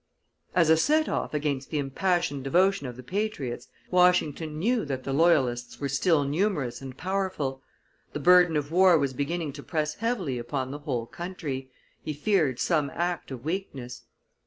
As a set off against the impassioned devotion of the patriots, Washington knew that the loyalists were still numerous and powerful; the burden of war was beginning to press heavily upon the whole country, he feared some act of weakness.